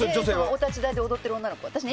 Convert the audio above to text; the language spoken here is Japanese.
お立ち台で踊ってる女の子は。